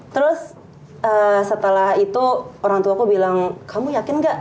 terus setelah itu orang tuaku bilang kamu yakin gak